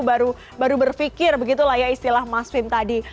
baru baru berpikir begitulah ya istilah mas fim tadi